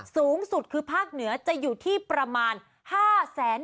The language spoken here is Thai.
สูงสุดคือภาคเหนือจะอยู่ที่ประมาณ๕แสน